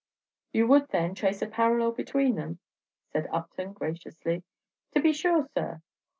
"You would, then, trace a parallel between them?" said Upton, graciously. "To be sure, sir!